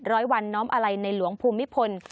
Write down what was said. ร้อยวันน้อมอาลัยในหลวงภูมิพล